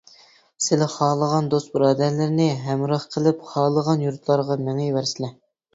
سىلى خالىغان دوست-بۇرادەرلىرىنى ھەمراھ قىلىپ، خالىغان يۇرتلارغا مېڭىۋەرسىلە.